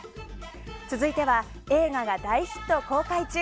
続いては、映画が大ヒット公開中。